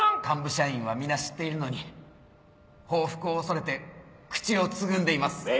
幹部社員は皆知っているのに報復を恐れて口をつぐんでいます。